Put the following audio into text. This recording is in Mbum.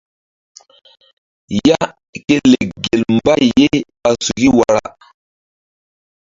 Ya ke lek gel mbay ye ɓa suki wara.